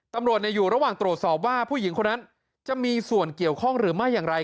ตำรวจอยู่ระหว่างตรวจสอบว่าผู้หญิงคนนั้นจะมีส่วนเกี่ยวข้องหรือไม่อย่างไร